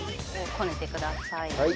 こねてください。